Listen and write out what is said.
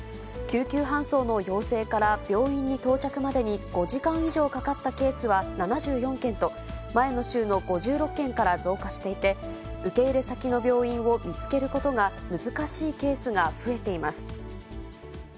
救急搬送の要請から病院に到着までに５時間以上かかったケースは７４件と、前の週の５６件から増加していて、受け入れ先の病院を見つけることが難しいケースが増えています。